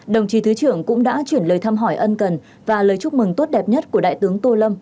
đồng chí thứ trưởng cũng đã chuyển lời thăm hỏi ân cần và lời chúc mừng tốt đẹp nhất của đại tướng tô lâm